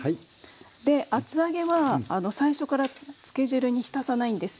で厚揚げは最初からつけ汁に浸さないんですよ。